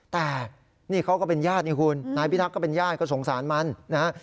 แต่นี่เขาก็เป็นญาตินี่คุณนายพิทักษ์ก็เป็นญาติก็สงสารมันนะฮะ